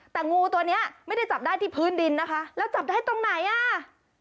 แต่งูตัวเนี้ยไม่ได้จับได้ที่พื้นดินนะคะแล้วจับได้ตรงไหนอ่ะ